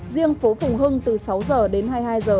riêng phố phùng hưng từ sáu giờ đến hai mươi hai h